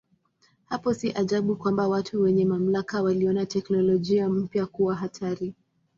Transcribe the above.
Hapo si ajabu kwamba watu wenye mamlaka waliona teknolojia mpya kuwa hatari.